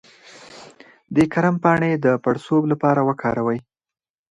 د کرم پاڼې د پړسوب لپاره وکاروئ